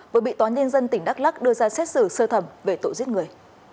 với bị tòa nhân dân tỉnh đắk lắc đưa ra xét xử sơ thẩm về tội giết người